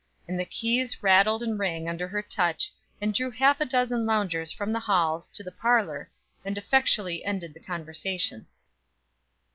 And the keys rattled and rang under her touch, and drew half a dozen loungers from the halls to the parlor, and effectually ended the conversation.